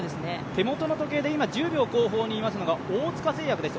手元の時計で今、１０秒後方にいますのが大塚製薬です。